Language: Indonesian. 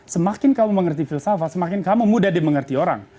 semakin kamu mengerti filsafat semakin kamu mudah dimengerti orang